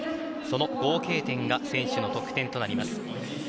その合計点が選手の得点となります。